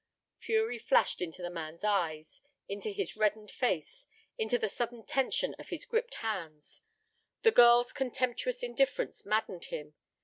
Fury flashed into the man's eyes, into his reddened face, into the sudden tension of his gripped hands. The girl's contemptuous indifference maddened him.